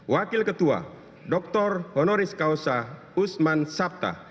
wakil ketua dr honoris causa usman sabta